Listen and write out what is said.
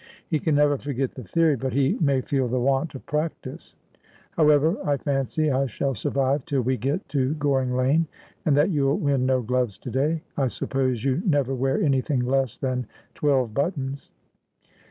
' He can never forget the theory, but he may feel the want of practice. However, I fancy I shall survive till we get to Goring Lane, and that you'll win uo gloves to day. I suppose you ilever wear anything less than twelve buttons